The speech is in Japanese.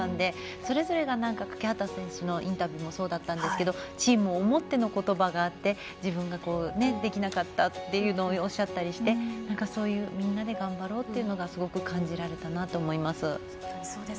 それぞれが欠端選手のインタビューもそうだったんですけどチームを思ってのことばがあって自分ができなかったっていうのをおっしゃっていてそういうみんなで頑張ろうというのがすごく感じられたなと思います。